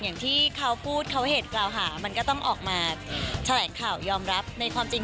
อย่างที่เขาพูดเขาเหตุกล่าวหามันก็ต้องออกมาแถลงข่าวยอมรับในความจริง